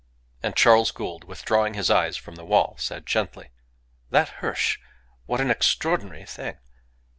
And Charles Gould, withdrawing his eyes from the wall, said gently, "That Hirsch! What an extraordinary thing!